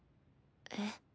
えっ？